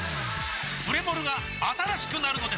プレモルが新しくなるのです！